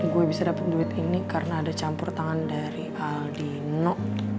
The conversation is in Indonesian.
gue bisa dapat duit ini karena ada campur tangan dari aldino